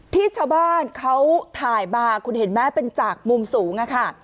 ที่ชาวบ้านเขาถ่ายมาคุณเห็นไหมเป็นจากมุมสูงค่ะ